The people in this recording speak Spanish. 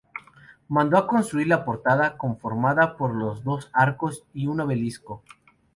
Mandó a construir la portada, conformada por los dos arcos y un obelisco.